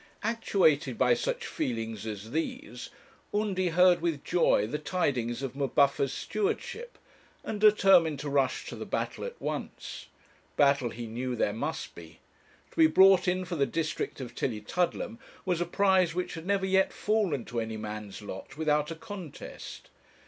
Actuated by such feelings as these, Undy heard with joy the tidings of M'Buffer's stewardship, and determined to rush to the battle at once. Battle he knew there must be. To be brought in for the district of Tillietudlem was a prize which had never yet fallen to any man's lot without a contest.